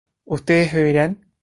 ustedes beberán